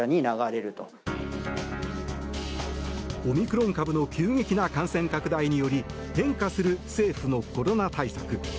オミクロン株の急激な感染拡大により変化する政府のコロナ対策。